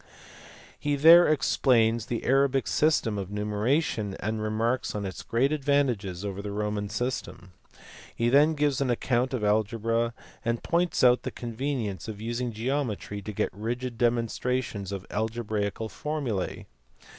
He there explains the Arabic system of numeration, and remarks on its great advantages over the Roman system. He then gives an account of algebra, and points out the convenience of using geometry to get rigid demonstrations of algebraical formulae.